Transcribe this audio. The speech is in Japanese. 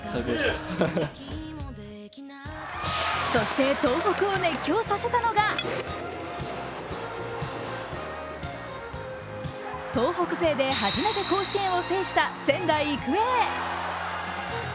そして東北を熱狂させたのが東北勢で初めて甲子園を制した仙台育英。